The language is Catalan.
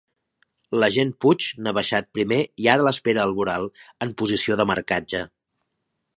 L'agent Puig n'ha baixat primer i ara l'espera al voral, en posició de marcatge.